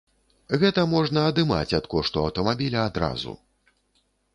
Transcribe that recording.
Гэта можна адымаць ад кошту аўтамабіля адразу.